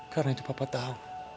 karena itu papa tau